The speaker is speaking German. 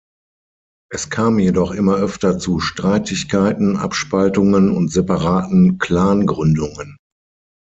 Es kam jedoch immer öfter zu Streitigkeiten, Abspaltungen und separaten Klan-Gründungen.